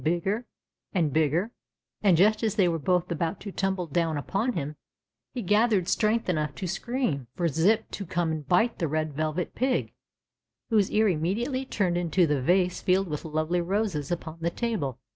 bigger^ and bigger, and just as they Avere both about to tumble down upon him he gathered strength enough to scream for Zip to come and bite the Red Velvet Pig, Avhose ear immediately turned into the A^ase filled Avith lovely roses u23on the table.